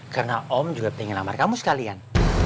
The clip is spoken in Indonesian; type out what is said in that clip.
karena om juga pengen ngelamar kamu sekalian